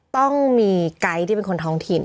ต้องมีไกด์ที่เป็นคนท้องถิ่น